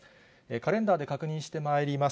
カレンダーで確認してまいります。